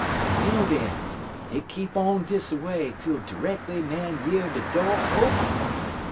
_' "Well, den, hit keep on dis a way, tel dreckly Man year de do' open.